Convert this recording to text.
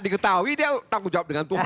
diketahui dia tanggung jawab dengan tuhan